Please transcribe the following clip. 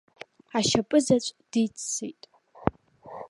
Ашьапызаҵә диццеит.